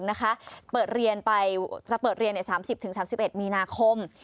จะเปิดเรียน๓๐๓๑มีนาคม